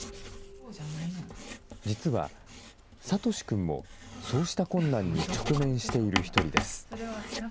実は、智君もそうした困難に直面している一人です。